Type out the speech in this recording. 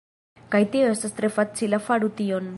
Kaj tio estas tre facila faru tion